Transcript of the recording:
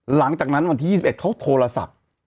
หลังจากนั้นวันที่๒๑เขาโทรศัพท์